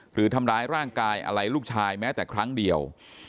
หรือทำร้ายร่างกายอะไรลูกชายแม้แต่ครั้งเดียว